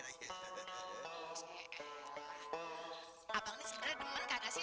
abang ini sebenarnya demen kagak sih sama fatime